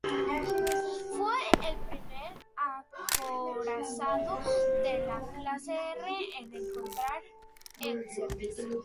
Fue el primer acorazado de la clase R en entrar en servicio.